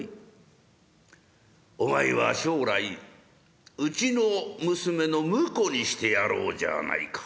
お前は将来うちの娘の婿にしてやろうじゃないか。